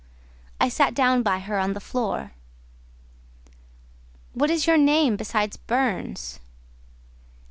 I sat down by her on the floor. "What is your name besides Burns?"